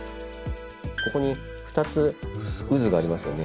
ここに２つ渦がありますよね。